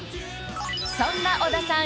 そんな小田さん